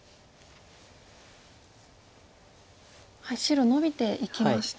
白ノビていきました。